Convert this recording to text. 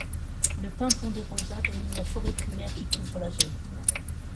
Le Pin ponderosa domine la forêt primaire qui couvre la zone.